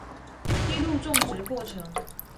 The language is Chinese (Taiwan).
記錄種植過程